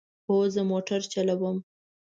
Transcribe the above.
هو، زه موټر چلوم